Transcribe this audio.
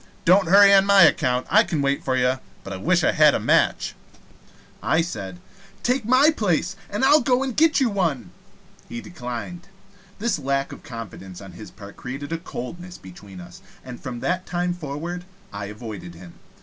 Don't hurry on my account. I can wait for you. But I wish I had a match." I said: "Take my place, and I'll go and get you one." He declined. This lack of confidence on his part created a coldness between us, and from that time forward I avoided him.